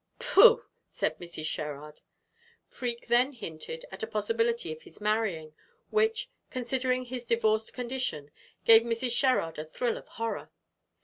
"Pooh!" said Mrs. Sherrard. Freke then hinted at a possibility of his marrying, which, considering his divorced condition, gave Mrs. Sherrard a thrill of horror.